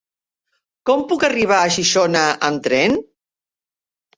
Com puc arribar a Xixona amb tren?